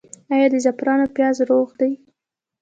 آیا د زعفرانو پیاز روغ دي؟